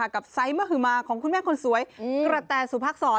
กับไซซ์มะหืมาของคุณแม่คนสวยกระแต่สุภักษณ์สอน